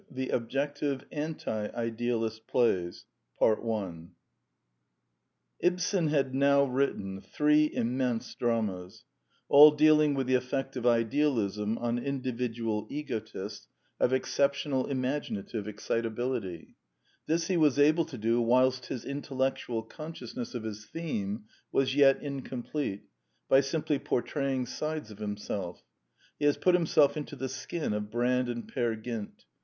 THE OBJECTIVE ANTI IDEALIST PLAYS Ibsen had now written three immense dramas, all dealing with the effect of idealism on individual egotists of exceptional imaginative excitability. This he was able to do whilst his intellectual consciousness of his theme was yet incomplete, by simply portraying sides of himself. He has put himself into the skin of Brand and Peer Gynt.